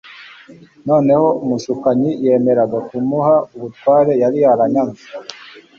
Noneho umushukanyi yemeraga kumuha ubutware yari yaranyaze.